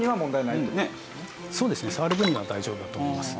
そうですね触る分には大丈夫だと思います。